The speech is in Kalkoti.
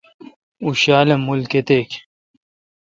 اوں شالہ مول کتیک